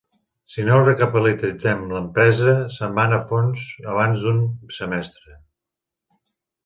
Si no recapitalitzen l'empresa, se'n va a fons abans d'un semestre.